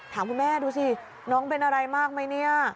ถามคุณแม่ดูสิน้องเป็นอะไรมากไหมเนี่ย